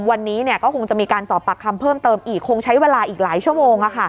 วันนี้ก็คงจะมีการสอบปากคำเพิ่มเติมอีกคงใช้เวลาอีกหลายชั่วโมง